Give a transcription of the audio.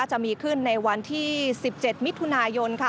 จะมีขึ้นในวันที่๑๗มิถุนายน